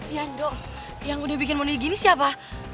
yandok yang udah bikin mondi gini siapa